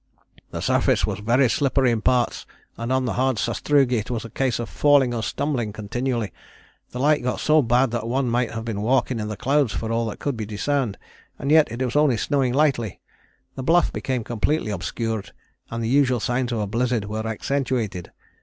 "The surface was very slippery in parts and on the hard sastrugi it was a case of falling or stumbling continually. The light got so bad that one might have been walking in the clouds for all that could be discerned, and yet it was only snowing slightly. The Bluff became completely obscured, and the usual signs of a blizzard were accentuated.